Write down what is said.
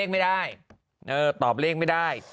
ไม่ได้ตอบเลขไม่ได้